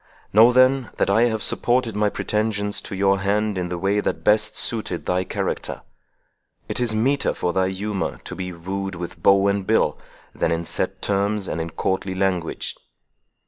Know then, that I have supported my pretensions to your hand in the way that best suited thy character. It is meeter for thy humour to be wooed with bow and bill, than in set terms, and in courtly language."